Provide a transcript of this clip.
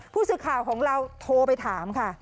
ผู้สื่อข่าวของเราโทรไปถามค่ะ